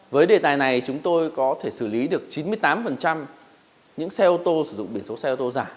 với đề tài này chúng tôi có thể xử lý được chín mươi tám những xe ô tô sử dụng biển số xe ô tô giả